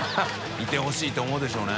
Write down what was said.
いてほしいって思うでしょうね。